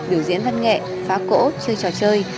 biểu diễn văn nghệ phá cỗ chơi trò chơi